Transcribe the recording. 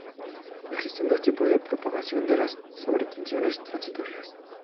Existen dos tipos de propagación de las sobretensiones transitorias.